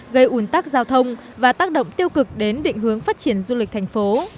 gây ủn tắc giao thông và tác động tiêu cực đến định hướng phát triển du lịch thành phố